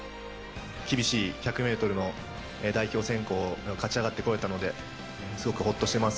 厳しい１００メートルの代表選考を勝ち上がってこれたので、すごくほっとしてます。